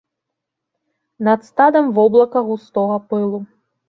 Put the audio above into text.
Над стадам воблака густога пылу.